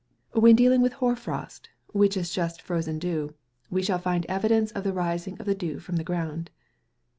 When dealing with hoar frost, which is just frozen dew, we shall find visible evidence of the rising of dew from the ground.